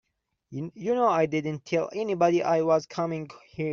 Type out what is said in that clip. You know I didn't tell anybody I was coming here.